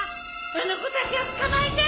あの子たちを捕まえて！